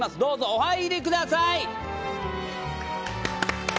お入りください！